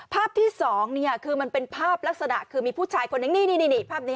ภาพที่๒คือมันเป็นภาพลักษณะคือมีผู้ชายคนนึงนี่ภาพนี้